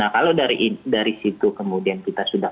kalau dari situ kemudian kita sudah